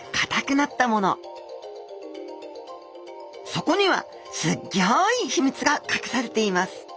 そこにはすっギョい秘密がかくされています。